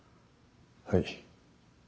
はい。